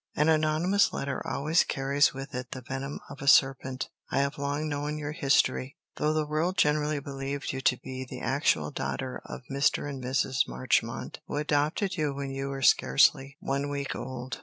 An anonymous letter always carries with it the venom of a serpent. I have long known your history, though the world generally believed you to be the actual daughter of Mr. and Mrs. Marchmont, who adopted you when you were scarcely one week old.